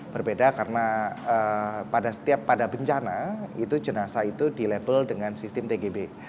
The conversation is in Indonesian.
berbeda karena pada setiap pada bencana itu jenazah itu dilabel dengan sistem tgb